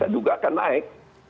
saya juga akan naik